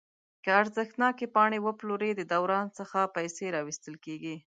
که ارزښتناکې پاڼې وپلوري د دوران څخه پیسې راویستل کیږي.